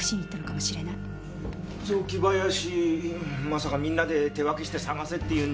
まさかみんなで手分けして探せって言うんじゃ。